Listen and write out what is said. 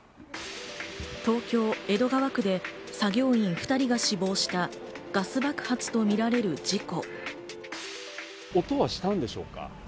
東京・江戸川区で作業員２人が死亡したガス爆発とみられる事故。